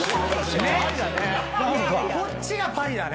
こっちがパリだね。